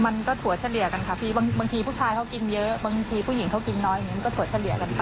มันก็ถั่วเฉลี่ยกันครับบางทีผู้ชายเขากินเยอะบางทีผู้หญิงเขากินน้อยมันก็ถั่วเฉลี่ยกันไป